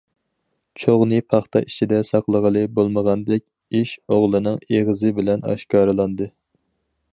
چوغنى پاختا ئىچىدە ساقلىغىلى بولمىغاندەك، ئىش ئوغۇلنىڭ ئېغىزى بىلەن ئاشكارىلاندى.